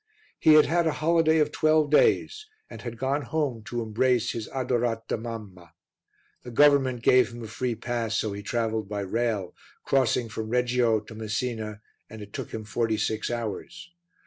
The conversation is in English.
He had had a holiday of twelve days, and had gone home to embrace his adorata mamma. The government gave him a free pass, so he travelled by rail, crossing from Reggio to Messina, and it took him forty six hours.